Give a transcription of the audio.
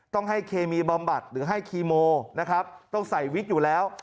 ต้องให้เคมีบำบัดหรือให้คีโมนะครับต้องใส่วิกอยู่แล้ว